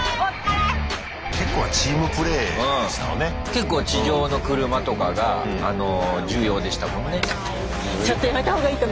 結構地上の車とかがあの重要でしたもんね。